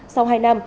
sau hai năm